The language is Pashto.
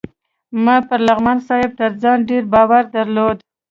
ما پر نعماني صاحب تر ځان ډېر باور درلود.